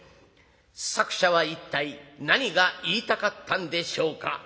「作者は一体何が言いたかったんでしょうか？」。